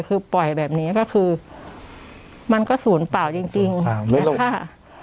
คือปล่อยแบบนี้ก็คือมันก็ศูนย์เปล่าจริงจริงศูนย์เปล่าไม่รู้